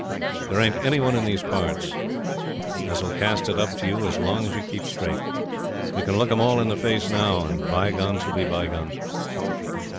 'There ain't any one in these parts as 'll cast it up to you as long as you keep straight. You can look 'em all in the face now, and bygones 'll be bygones.'